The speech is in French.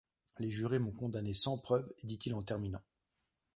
Les jurés m’ont condamné sans preuves, dit-il en terminant.